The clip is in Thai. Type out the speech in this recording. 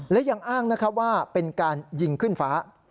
และยังอ้างนะครับว่าเป็นการยิงขึ้นฟ้า